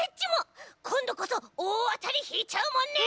こんどこそおおあたりひいちゃうもんね！